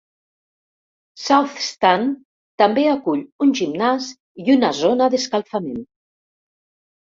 South Stand també acull un gimnàs i una zona d'escalfament.